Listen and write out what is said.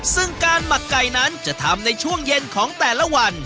ซึ่งการหมักไก่นั้นจะทำในช่วงเย็นของแต่ละวัน